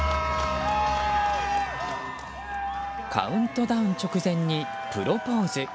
カウントダウン直前にプロポーズ。